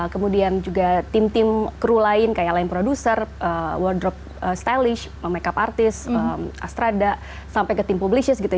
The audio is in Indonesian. kemudian juga tim tim kru lain kayak line producer wardrop stylish makeup artis astrada sampai ke tim publishease gitu